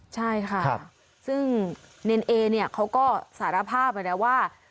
ใช่ค่ะซึ่งเนรนแอร์เนี่ยเขาก็สารภาพไปแล้วว่า